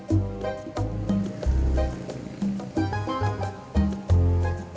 udah ambil hpnya